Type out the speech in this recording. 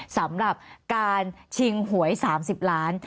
สำหรับการชิงหวย๓๐ล้าน